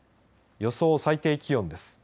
予想最低気温です。